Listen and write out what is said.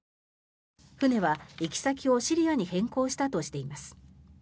船は行き先をシリアに変更したとしています。